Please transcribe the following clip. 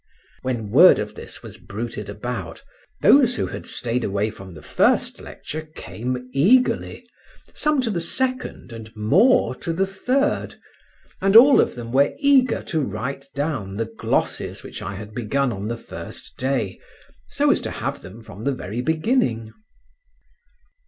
When word of this was bruited about, those who had stayed away from the first lecture came eagerly, some to the second and more to the third, and all of them were eager to write down the glosses which I had begun on the first day, so as to have them from the very beginning.